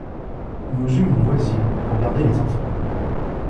Nous eûmes une voisine pour garder les enfants.